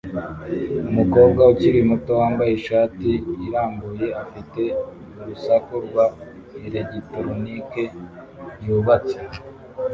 Umukobwa ukiri muto wambaye ishati irambuye afite urusaku rwa elegitoronike yubatse